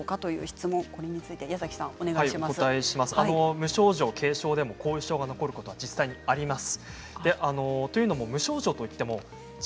無症状、軽症でも後遺症が残ることは実際にあります。